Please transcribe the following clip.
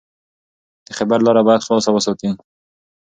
د خیبر لاره باید خلاصه وساتئ.